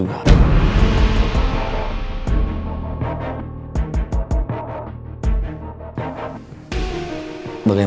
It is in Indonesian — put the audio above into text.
tidak ada apa apa